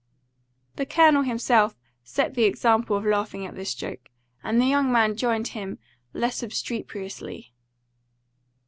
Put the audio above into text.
The Colonel himself set the example of laughing at this joke, and the young man joined him less obstreperously.